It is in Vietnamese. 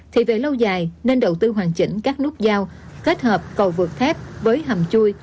thì về lâu dài nên đầu tư hoàn chỉnh các nút giao kết hợp cầu vượt phép với hầm chui